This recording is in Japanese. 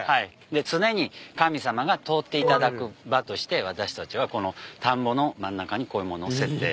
で常に神様が通っていただく場として私たちはこの田んぼの真ん中にこういう物載せて。